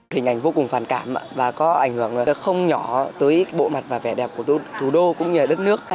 hình ảnh vô cùng phản cảm và có ảnh hưởng không nhỏ tới bộ mặt và vẻ đẹp của thủ đô cũng như đất nước